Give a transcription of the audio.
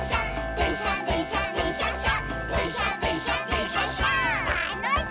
「でんしゃでんしゃでんしゃっしゃ」